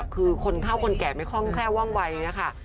คือคนเข้าคนแก่ไม่ค่อยแค่ว่างไวนะคะ